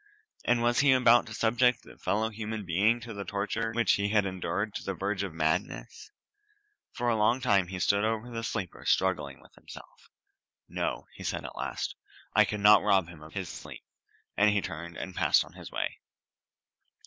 And was he about to subject a fellow human being to the torture which he had endured to the verge of madness? For a long time he stood over the sleeper struggling with himself. "No!" at last he said. "I cannot rob him of his sleep," and turned and passed on his way.